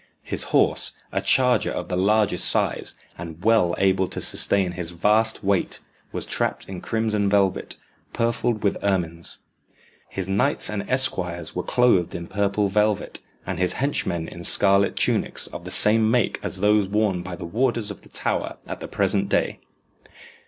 His horse, a charger of the largest size, and well able to sustain his vast weight, was trapped in crimson velvet, purfled with ermines. His knights and esquires were clothed in purple velvet, and his henchmen in scarlet tunics of the same make as those worn by the warders of the Tower at the present day.